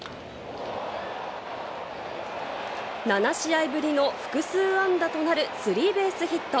７試合ぶりの複数安打となるスリーベースヒット。